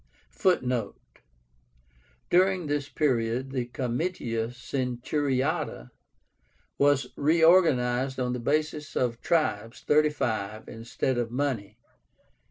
(Footnote: During this period the Comitia Centuriáta was reorganized on the basis of tribes (35) instead of money.)